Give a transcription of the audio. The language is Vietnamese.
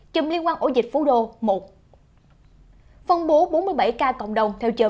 chùm liên quan ổ dịch phú đô một